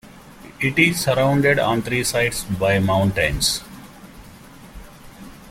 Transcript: It is surrounded on three sides by mountains.